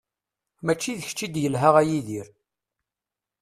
Mačči d kečč i d-yelha a Yidir.